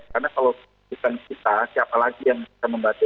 karena kalau kita siapa lagi yang bisa membantu